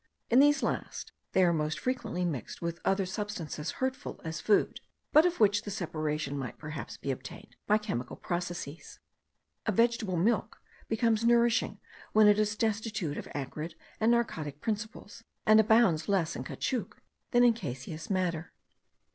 In these last they are most frequently mixed with other substances hurtful as food; but of which the separation might perhaps be obtained by chemical processes. A vegetable milk becomes nourishing when it is destitute of acrid and narcotic principles; and abounds less in caoutchouc than in caseous matter.